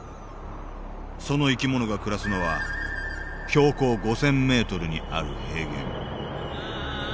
その生き物が暮らすのは標高５０００メートルにある平原。